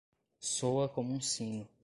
Soa como um sino.